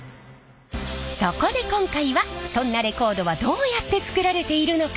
そこで今回はそんなレコードはどうやって作られているのか。